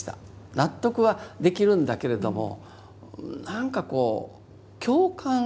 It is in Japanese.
納得はできるんだけれども何かこう共感というかな